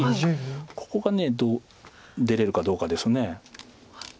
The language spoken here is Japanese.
ここが出れるかどうかです。